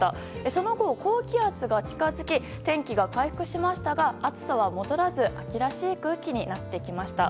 その後、高気圧が近づき天気が回復しましたが暑さは戻らず秋らしい空気になってきました。